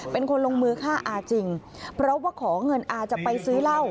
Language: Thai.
เป็นคนลงมือฆ่าอาจริงเพราะว่าขอเงินอาจะไปซื้อเหล้า